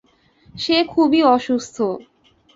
সে খুবই অসুস্থ।